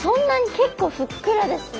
結構ふっくらですね。